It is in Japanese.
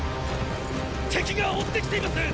敵が追って来ています！